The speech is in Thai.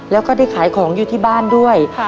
แล้วก็ได้ขายของอยู่ที่บ้านด้วย